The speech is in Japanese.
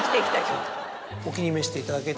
お気に召していただけた。